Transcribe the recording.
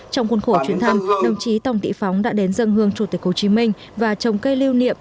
trong cuốn khổ chuyến thăm đồng chí tổng tỷ phóng đã đến dân hương chủ tịch hồ chí minh và trồng cây lưu niệm